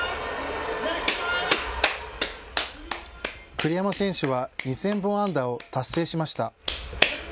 栗山選手は２０００本安打を達成しました。